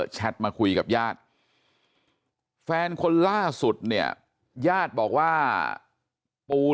แล้วก็ยัดลงถังสีฟ้าขนาด๒๐๐ลิตร